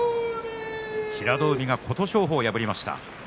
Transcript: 平戸海が琴勝峰を破りました。